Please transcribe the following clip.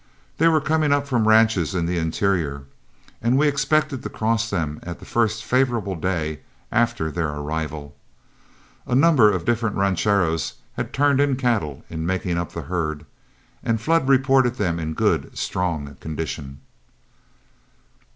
They were coming up from ranches in the interior, and we expected to cross them the first favorable day after their arrival. A number of different rancheros had turned in cattle in making up the herd, and Flood reported them in good, strong condition.